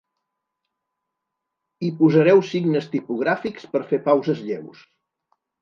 Hi posareu signes tipogràfics per fer pauses lleus.